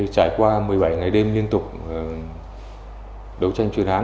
trải qua một mươi bảy ngày đêm liên tục đấu tranh chuyên án